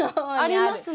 ありますね。